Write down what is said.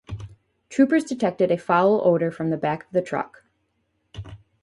Troopers detected a foul odor from the back of the truck.